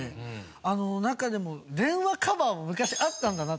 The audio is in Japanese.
中でも電話カバーも昔あったんだなと。